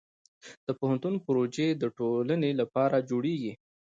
د پوهنتون پروژې د ټولنې لپاره جوړېږي.